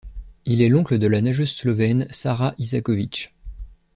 Il est l'oncle de la nageuse slovène Sara Isaković.